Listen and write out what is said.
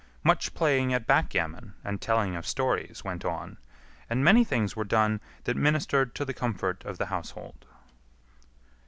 Much playing at backgammon and telling of stories went on, and many things were done that ministered to the comfort of the household.